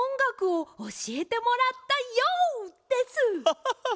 ハハハッ！